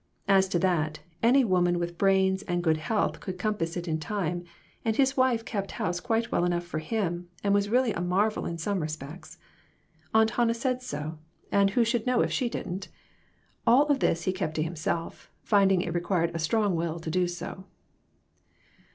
As to that, any woman with brains and good health could compass it in time, and his wife kept house quite well enough for him, and was really a marvel in some respects. Aunt Hannah said so, and who 138 MORAL EVOLUTION. should know if she didn't ? All of this he kept to himself, finding it required a strong will to do so.